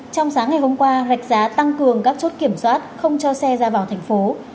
trong sáng ngày hôm qua đạch giá tăng cường các chốt kiểm soát không cho xe ra vào tp hcm